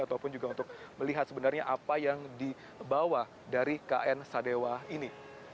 ataupun juga untuk melihat sebenarnya apa yang dibawa dari kn sadewa ini